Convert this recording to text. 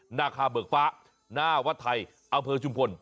หน้าคาเบิกฟ้าหน้าวัดไทยอำเภอชุมพล